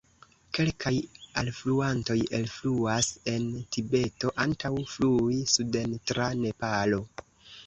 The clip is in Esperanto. Kelkaj alfluantoj elfluas en Tibeto antaŭ flui suden tra Nepalo.